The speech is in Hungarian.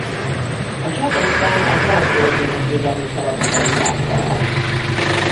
A csata után a Garam-völgyének védelmi feladatait látta el.